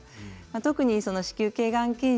特に子宮けいがん検診